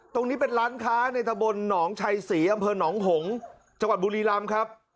ตรงนี้เป็นหลานค้าในถบลหนองชายศรีอำเภินน้องห่งจังหวัดบุรีรามคับ